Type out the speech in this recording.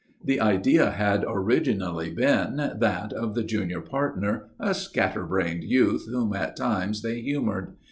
The idea had originally been that of the junior partner, a scatter brained youth whom at times they humoured.